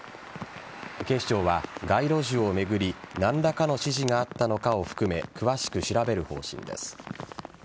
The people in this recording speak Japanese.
警視庁は街路樹を巡り何らかの指示があったのかを含め詳しく調べる方針です。